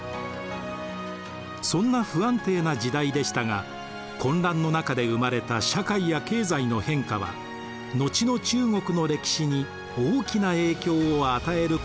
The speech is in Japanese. そんな不安定な時代でしたが混乱の中で生まれた社会や経済の変化は後の中国の歴史に大きな影響を与えることになるのです。